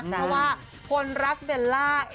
เพราะว่าคนรักเบลล่า